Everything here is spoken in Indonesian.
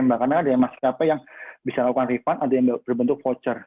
karena ada yang maskapai yang bisa lakukan refund ada yang berbentuk voucher